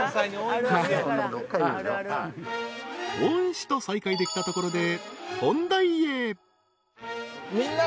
［恩師と再会できたところで］